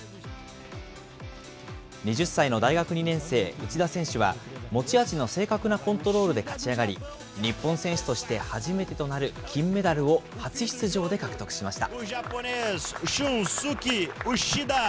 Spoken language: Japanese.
２０歳の大学２年生、内田選手は、持ち味の正確なコントロールで勝ち上がり、日本選手として初めてとなる金メダルを初出場で獲得しました。